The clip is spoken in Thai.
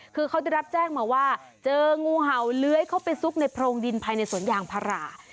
คือเขาได้รับแจ้งมาว่าเจองูเห่าเลื้อยเข้าไปซุกในโพรงดินภายในสวนยางพารา